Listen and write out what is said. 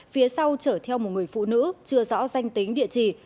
phía sau chở theo một người phụ nữ chưa rõ danh tính địa chỉ